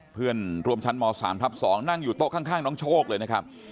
เพื่อนรวมชั้นม๓ทับ๒นั่งอยู่โต๊ะข้างน้องโชคเลยนะครับ